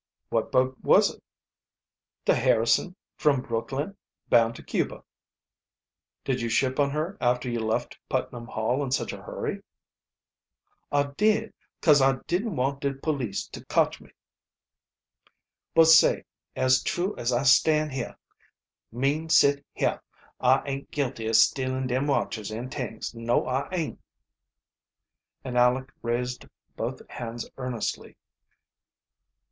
"What boat was it?" "De Harrison, from Brooklyn, bound to Cuba." "Did you ship on her after you left Putnam Hall in such a hurry? "I did, cos I didn't want de police to coted me. But, say, as true as I stand heah mean sit heah I aint guilty of stealin' dem watches an' t'ings, no I aint!" And Aleck raised both hands earnestly.